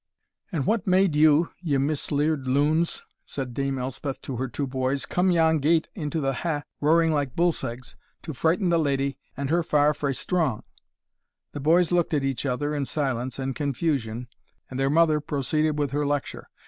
"And what made you, ye misleard loons," said Dame Elspeth to her two boys, "come yon gate into the ha', roaring like bullsegs, to frighten the leddy, and her far frae strong?" The boys looked at each other in silence and confusion, and their mother proceeded with her lecture.